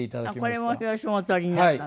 これも表紙もお撮りになったの？